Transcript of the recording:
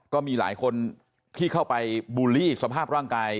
ก็มีหลายคนที่เข้าไปบูลลี่สภาพร่างกาย